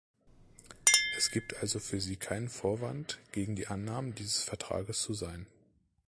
Es gibt also für sie keinen Vorwand, gegen die Annahme dieses Vertrags zu sein.